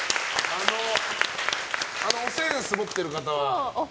あのおせんす持っている方は？